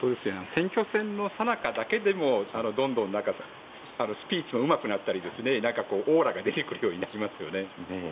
選挙戦のさなかだけでもどんどんスピーチもうまくなったりオーラが出てくるようになりますよね。